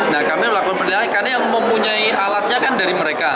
nah kami melakukan penilaian karena yang mempunyai alatnya kan dari mereka